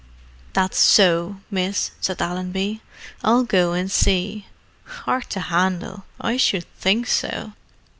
"That's so, miss," said Allenby. "I'll go and see. 'Ard to 'andle! I should think so!"